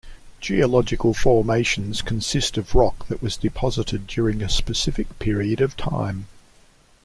Geological formations consist of rock that was deposited during a specific period of time.